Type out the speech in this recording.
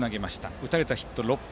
打たれたヒット６本。